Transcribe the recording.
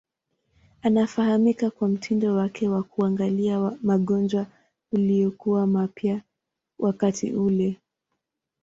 Anafahamika kwa mtindo wake wa kuangalia magonjwa uliokuwa mpya wakati ule.